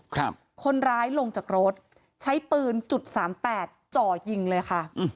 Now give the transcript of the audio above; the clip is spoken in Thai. คนร้ายลงจากรถใช้ปืนจุดสามแปดจ่อยิงเลยค่ะอืม